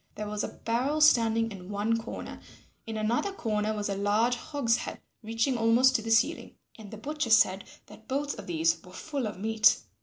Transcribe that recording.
There was a barrel standing in one corner; in another corner was a large hogshead reaching almost to the ceiling, and the butcher said that both of these were full of meat.